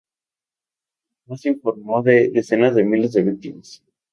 Además se informó de decenas de miles de víctimas.